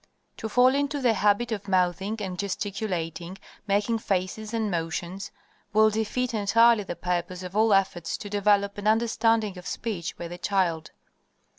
To fall into the habit of mouthing and gesticulating, making faces and motions, will defeat entirely the purpose of all efforts to develop an understanding of speech by the child.